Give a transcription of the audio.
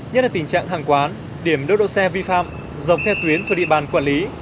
nhất là tình trạng hàng quán điểm đốt đỗ xe vi phạm dọc theo tuyến thuộc địa bàn quản lý